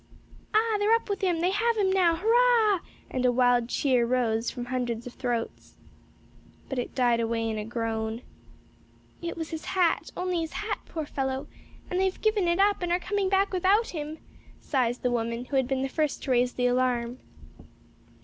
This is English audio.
"Ah, they're up with him! they have him now! hurrah!" and a wild cheer rose from hundreds of throats. But it died away in a groan. "It was his hat only his hat, poor fellow. And they've given it up and are coming back without him!" sighs the woman who had been the first to raise the alarm.